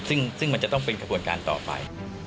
ซึ่งมันจะต้องเป็นขบวนการต่อไป